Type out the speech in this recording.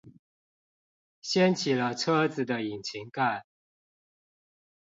掀起了車子的引擎蓋